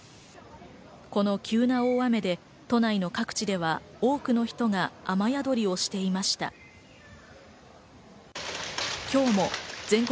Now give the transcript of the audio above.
この急な大雨で都内の各地では多くの人が雨宿りをしていました。